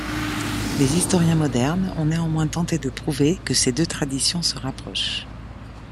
Les historiens modernes ont néanmoins tenté de prouver que ces deux traditions se rapprochent.